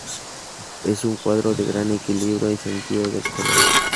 Es un cuadro de gran equilibrio y sentido del color.